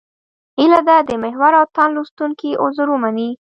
هیله ده د محور او تاند لوستونکي عذر ومني.